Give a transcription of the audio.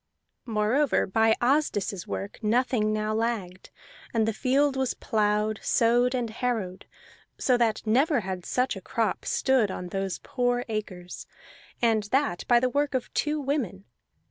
Moreover by Asdis's work nothing now lagged, and the field was plowed, sowed, and harrowed, so that never had such a crop stood on those poor acres, and that by the work of two women.